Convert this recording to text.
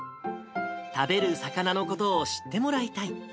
食べる魚のことを知ってもらいたい。